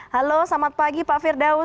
halo selamat pagi pak firdaus